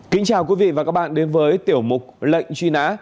kính chào quý vị và các bạn đến với tiểu mục lệnh truy nã